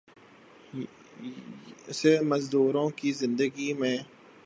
یسے مزدوروں کی زندگی میں